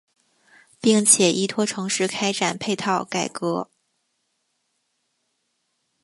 并且依托城市开展配套改革。